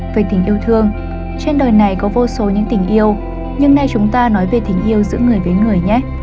về tình yêu thương trên đời này có vô số những tình yêu nhưng nay chúng ta nói về tình yêu giữa người với người nhé